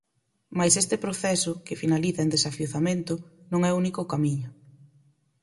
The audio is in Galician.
Mais este proceso, que finaliza en desafiuzamento, non é o único camiño.